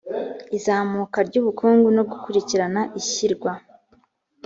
izamuka ry ubukungu no gukurikirana ishyirwa